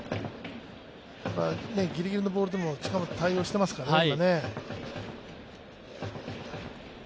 ギリギリのボールでも近本、対応してますからね。